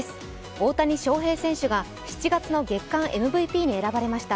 大谷翔平選手が７月の月間ＭＶＰに選ばれました。